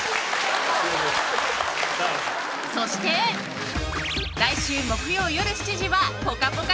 そして、来週木曜夜７時は「ぽかぽか」